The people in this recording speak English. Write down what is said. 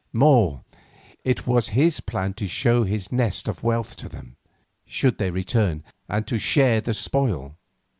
More, it was his plan to show this nest of wealth to them, should they return again, and to share the spoil.